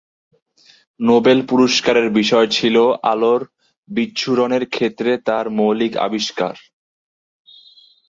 Nobel পুরস্কারের বিষয় ছিল আলোর বিচ্ছুরণের ক্ষেত্রে তাঁর মৌলিক আবিষ্কার।